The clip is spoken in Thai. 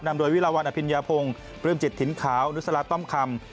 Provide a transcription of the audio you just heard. โดยวิลาวันอภิญญาพงศ์ปลื้มจิตถิ่นขาวนุสลาต้อมคำ